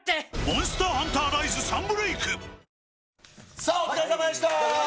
さあ、お疲れさまでした。